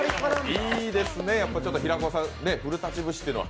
いいですね、平子さん、古舘節というのは。